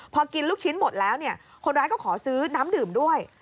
พอกินลูกชิ้นหมดแล้วเนี่ยคนร้ายก็ขอซื้อน้ำดื่มด้วย